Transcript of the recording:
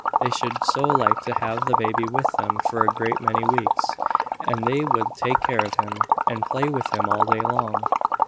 They should so like to have the baby with them for a great many weeks! and they would take care of him, and play with him all day long.